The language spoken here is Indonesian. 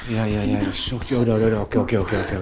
ya ya ya udah udah oke oke